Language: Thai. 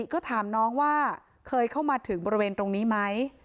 ก็ถามน้องว่าเคยเข้ามาถึงบริเวณตรงนี้ไหม